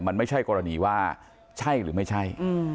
มันไม่ใช่กรณีว่าใช่หรือไม่ใช่